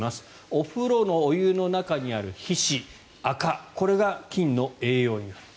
お風呂のお湯の中にある皮脂、あかこれが菌の栄養になる。